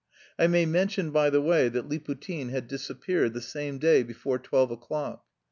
I may mention, by the way, that Liputin had disappeared the same day before twelve o'clock.